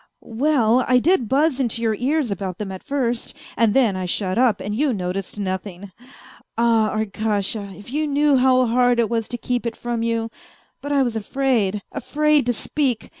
" Well, I did buzz into your ears about them at first, and then I shut up, and you noticed nothing. Ah, Arkasha, if you knew how hard it was to keep it from you ; but I was afraid, afraid to speak